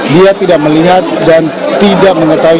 dia tidak melihat dan tidak mengetahui